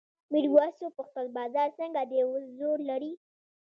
میرويس وپوښتل بازار څنګه دی اوس زور لري؟